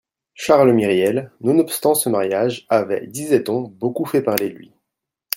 Charles Myriel, nonobstant ce mariage, avait, disait-on, beaucoup fait parler de lui